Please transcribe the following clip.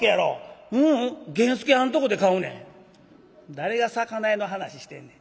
「誰が魚屋の話してんねん。